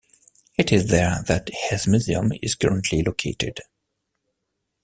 It is there that his museum is currently located.